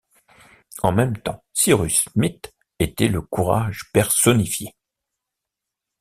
En même temps, Cyrus Smith était le courage personnifié.